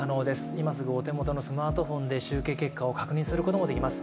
今すぐお手元のスマートフォンで集計結果を確認することもできます。